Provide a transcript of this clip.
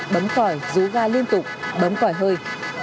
bấm còi rú ga liên tục bấm còi hơi